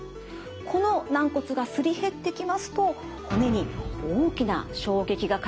この軟骨がすり減ってきますと骨に大きな衝撃がかかり